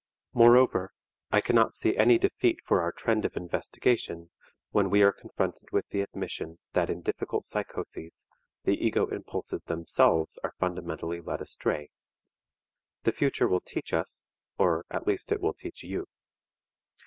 Moreover, I cannot see any defeat for our trend of investigation when we are confronted with the admission that in difficult psychoses the ego impulses themselves are fundamentally led astray; the future will teach us or at least it will teach you.